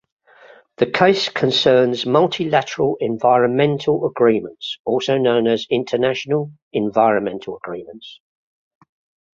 The case concerns multilateral environmental agreements also known as international environmental agreements.